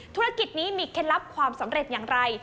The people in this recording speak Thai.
ธุรกิจนี้มีเคล็ดลับความสำเร็จอย่างไร